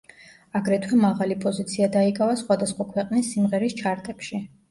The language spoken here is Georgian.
აგრეთვე მაღალი პოზიცია დაიკავა სხვადასხვა ქვეყნის სიმღერის ჩარტებში.